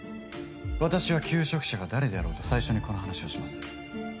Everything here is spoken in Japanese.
私は求職者が誰であろうと最初にこの話をします。